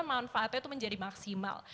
manfaatnya itu menjadi maksimal